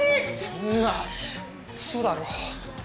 そんなウソだろ。